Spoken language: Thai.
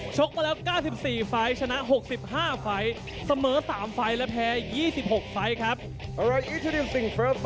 กมาแล้ว๙๔ไฟล์ชนะ๖๕ไฟล์เสมอ๓ไฟล์และแพ้๒๖ไฟล์ครับ